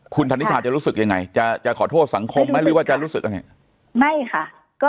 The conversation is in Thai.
คุณธนิชาจะรู้สึกยังไงจะจะขอโทษสังคมไหมหรือว่าจะรู้สึกอะไรไม่ค่ะ